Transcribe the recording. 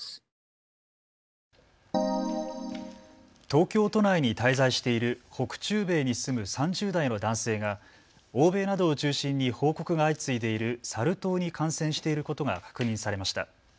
東京都内に滞在している北中米に住む３０代の男性が欧米などを中心に報告が相次いでいるサル痘に感染していることが確認されました。